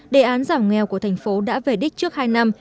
đề án giảm nghèo của thành phố đã về đích trước hai năm